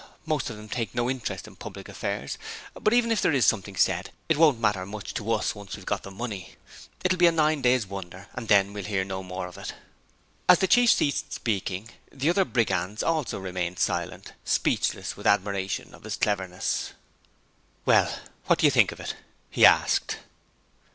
Most of them take no interest in public affairs, but even if there is something said, it won't matter much to us once we've got the money. It'll be a nine days' wonder and then we'll hear no more of it.' As the Chief ceased speaking, the other brigands also remained silent, speechless with admiration of his cleverness. 'Well, what do you think of it?' he asked.